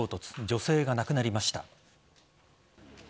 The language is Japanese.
女性が亡くなりました。